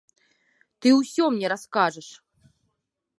Ты ўсё мне раскажаш!